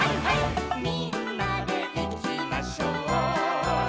「みんなでいきましょう」